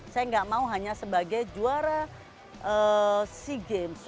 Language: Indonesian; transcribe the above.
saya nggak mau hanya sebagai juara sea games